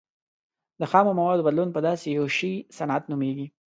د خامو موادو بدلون په داسې یو شي صنعت نومیږي.